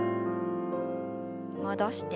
戻して。